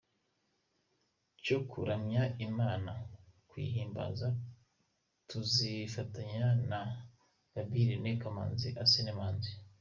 cyo kuramya Imana no kuhiyimbaza, tuzifatanya na Gaby Irene Kamanzi, Arsene Manzi,.